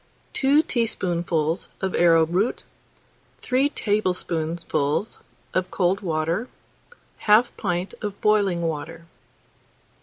Two teaspoonfuls of arrowroot, 3 tablespoonfuls of cold water, 1/2 pint of boiling water.